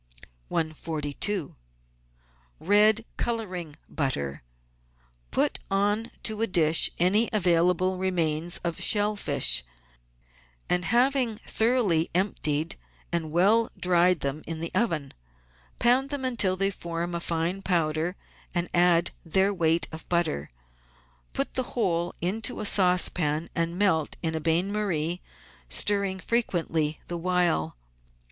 COLD SAUCES AND COMPOUND BUTTERS 55 142— RED COLOURING BUTTER Put on to a dish any available remains of shell fish after having thoroughly emptied and well dried them in the oven. Pound them until they form a fine powder, and add their weight of butter. Put the whole into a saucepan and melt in a bain marie, stir ring frequently the while.